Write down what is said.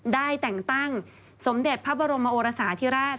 ได้แต่งตั้งสมเด็จพระบรมโอรสาธิราช